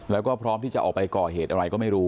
แล้วก็พร้อมที่จะออกไปก่อเหตุอะไรก็ไม่รู้